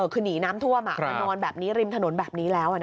คือหนีน้ำท่วมมานอนแบบนี้ริมถนนแบบนี้แล้ว